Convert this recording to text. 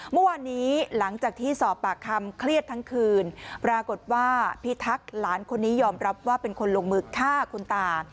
เมื่อวานนี้หลังจากที่สอบปากคำเครียดทั้งคืนปรากฏว่าพิทักษ์หลานคนนี้ยอมรับว่าเป็นคนลงมือฆ่าคุณตา